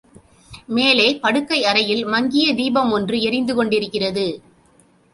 மேலே படுக்கை அறையில் மங்கிய தீபம் ஒன்று எரிந்து கொண்டிருக்கிறது.